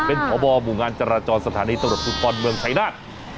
เป็นพบหมู่งานจราจรสถานีตำรวจภูทรเมืองชายนาฏ